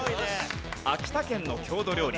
秋田県の郷土料理。